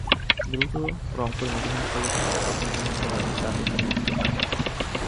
দ্রুত Rangpur medical college হাসপাতালে নেওয়া হলে রাতেই তাঁর মৃত্যু হয়।